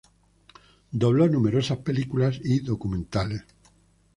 Dobló numerosas películas y documentales.